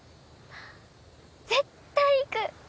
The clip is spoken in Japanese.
絶対行く！